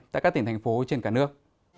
tại các tỉnh thành phố trên cả nước